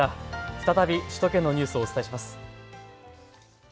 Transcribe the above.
再び首都圏のニュースをお伝えします。